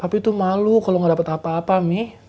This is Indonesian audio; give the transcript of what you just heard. papih tuh malu kalau gak dapet apa apa ming